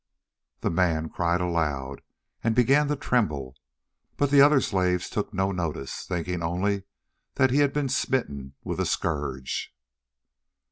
The man cried aloud and began to tremble, but the other slaves took no notice, thinking only that he had been smitten with a scourge.